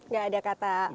gak ada kata ampun ya pak